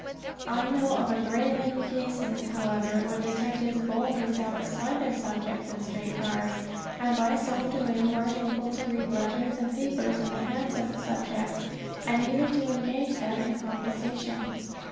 I know of a great many cases, however, when detectives boldly sat beside their subjects in street cars and by so doing were enabled to read letters and papers in the hands of the subjects, and even to engage them in conversation.